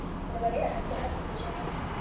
د ولیعهد په حیث وپېژني.